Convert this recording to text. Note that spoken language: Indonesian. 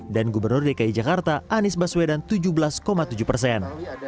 dan gubernur dki jakarta anies baswedan tujuh belas tujuh persen